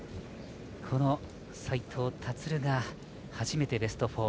この斉藤立が初めてベスト４。